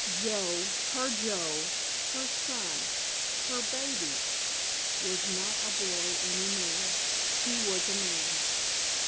Joe—her Joe—her son—her baby—was not a boy any more—he was a man!